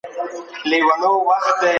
د پيغمبر صلي الله عليه وسلم سنت تعقيب کړئ.